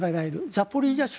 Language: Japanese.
ザポリージャ州